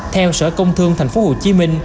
theo sở công thương tp hcm